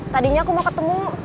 tadinya aku mau ketemu